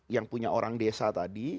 yang punya orang desa tadi